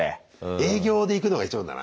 営業で行くのが一番だな。